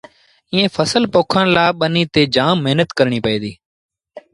ايئي ڦسل پوکڻ لآ با ٻنيٚ تي جآم مهنت ڪرڻيٚ پئي ديٚ۔